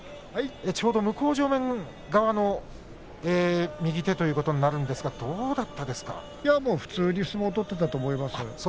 ちょうど向正面側の右手ということになるんですがいやあ、もう普通に相撲を取っていたと思いますよ。